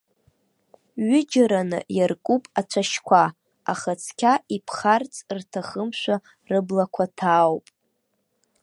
Ҩыџьараны иаркуп ацәашьқәа, аха, цқьа иԥхарц рҭахымшәа, рыблақәа ҭаауп.